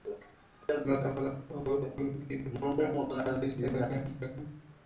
লতা, পাতা, ফুল, কলকা দিয়ে ডিজাইন করা পোশাক দিয়ে সাজানো হয়েছে দোকান।